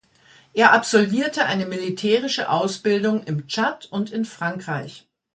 Er absolvierte eine militärische Ausbildung im Tschad und in Frankreich.